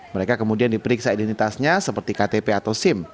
mereka kemudian diperiksa identitasnya seperti ktp atau sim